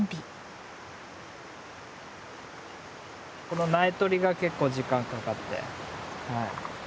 この苗とりが結構時間かかって。